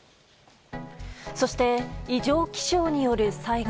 そして、異常気象による災害。